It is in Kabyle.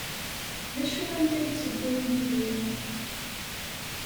D acu ay la yessewway Yidir?